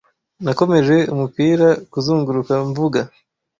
Nakomeje umupira kuzunguruka mvuga.